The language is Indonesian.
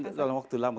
mungkin dalam waktu lama